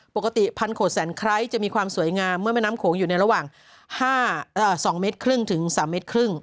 ปกติพันโขดแสนไคร้จะมีความสวยงามเมื่อแม่น้ำโขงอยู่ในระหว่าง๒๕๓๕เมตร